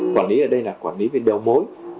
quản lý ở đây là quản lý về đầu mối